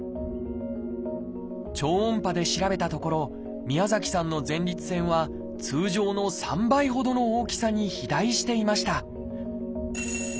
超音波で調べたところ宮崎さんの前立腺は通常の３倍ほどの大きさに肥大していました。